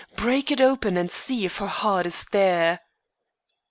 break it open, and see if her heart is there!"